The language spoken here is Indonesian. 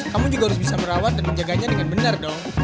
kamu juga harus bisa merawat dan menjaganya dengan benar dong